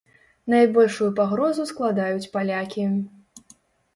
Найбольшую пагрозу складаюць палякі.